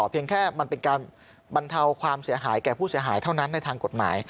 เพียงแค่มันเป็นการบรรเทาความเสียหายแก่ผู้เสียหายเท่านั้นในทางกฎหมาย